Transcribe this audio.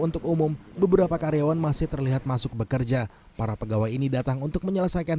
untuk umum beberapa karyawan masih terlihat masuk bekerja para pegawai ini datang untuk menyelesaikan